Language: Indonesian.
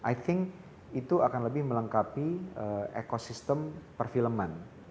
i think itu akan lebih melengkapi ekosistem perfilman